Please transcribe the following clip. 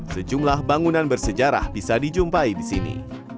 sejumlah bangunan bersejarah bisa dijumpai di sini